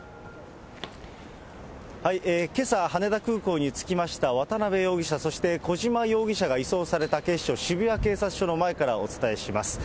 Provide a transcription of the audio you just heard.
けさ、羽田空港に着きました渡辺容疑者、そして小島容疑者が移送された警視庁渋谷警察署の前からお伝えします。